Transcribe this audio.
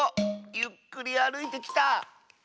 ゆっくりあるいてきた！